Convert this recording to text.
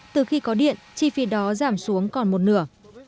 từ khi có điện chi phí đó giảm xuống còn một nửa